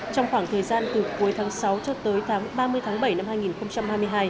trong khoảng thời gian từ cuối tháng sáu cho tới tháng ba mươi tháng bảy năm hai nghìn hai mươi hai